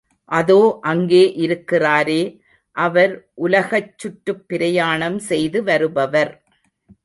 அதோ அங்கே இருக்கிறாரே, அவர் உலகச்சுற்றுப் பிரயாணம் செய்து வருபவர்.